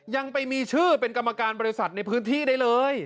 ยังไปมีชื่อเป็นกรรมการบริษัทในพื้นที่ได้เลย